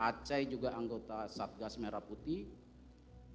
acai juga anggota satgas merah putih